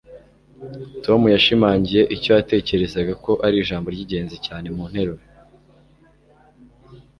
tom yashimangiye icyo yatekerezaga ko ari ijambo ryingenzi cyane mu nteruro